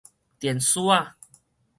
電欶仔